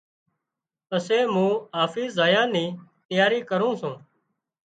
پسي مُون آفيس زايا نِي تياري ڪرُون سوُن۔